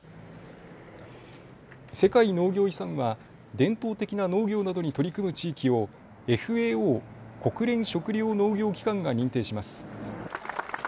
世界農業遺産は伝統的な農業などに取り組む地域をＦＡＯ・国連食糧農業機関が認定します。